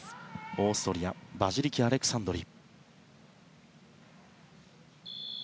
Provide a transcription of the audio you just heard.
オーストリアヴァジリキ・アレクサンドリ。